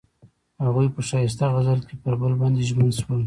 هغوی په ښایسته غزل کې پر بل باندې ژمن شول.